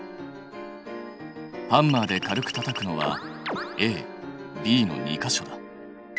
ハンマーで軽くたたくのはＡＢの２か所だ。